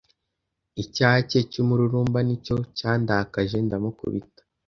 Icyaha cye cy’umururumba ni cyo cyandakaje ndamukubita.